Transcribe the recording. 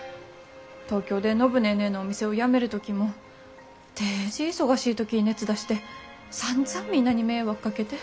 東京で暢ネーネーのお店を辞める時もデージ忙しい時に熱出してさんざんみんなに迷惑かけて。